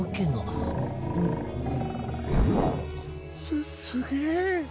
すすげえ！